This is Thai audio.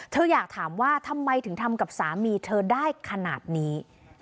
อยากถามว่าทำไมถึงทำกับสามีเธอได้ขนาดนี้